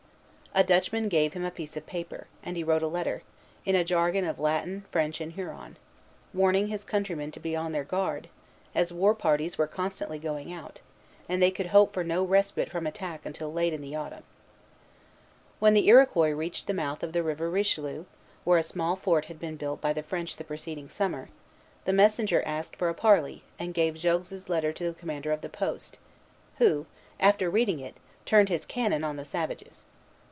A Dutchman gave him a piece of paper; and he wrote a letter, in a jargon of Latin, French, and Huron, warning his countrymen to be on their guard, as war parties were constantly going out, and they could hope for no respite from attack until late in the autumn. When the Iroquois reached the mouth of the River Richelieu, where a small fort had been built by the French the preceding summer, the messenger asked for a parley, and gave Jogues's letter to the commander of the post, who, after reading it, turned his cannon on the savages.